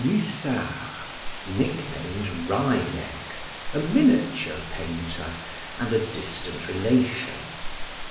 Mussard, nicknamed Wryneck, a miniature painter, and a distant relation.